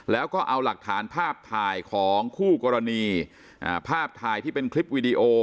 แล้วก็เอาหลักฐานภาพถ่ายของคู่กรณีภาพถ่ายที่เป็นคลิปวีดีโอ